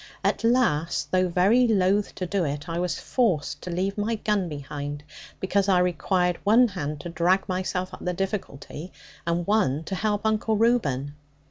At last, though very loath to do it, I was forced to leave my gun behind, because I required one hand to drag myself up the difficulty, and one to help Uncle Reuben.